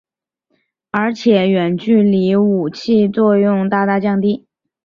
而且远距离武器作用大大降低。